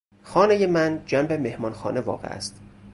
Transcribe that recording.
خانهُ من جنب مهمانخانه واقع است.